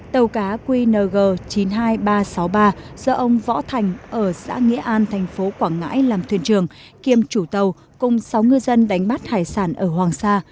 tàu cá qng chín mươi hai nghìn ba trăm sáu mươi ba do ông võ thành ở xã nghĩa an thành phố quảng ngãi làm thuyền trường kiêm chủ tàu cùng sáu ngư dân đánh bắt hải sản ở hoàng sa